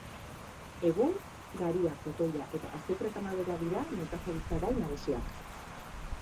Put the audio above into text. Egun, garia, kotoia eta azukre-kanabera dira nekazaritza gai nagusiak.